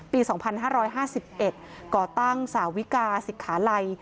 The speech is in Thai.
ปี๒๕๕๑ก่อตั้งสาวิกาศิกขาลัย